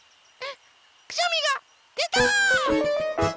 くしゃみがでた！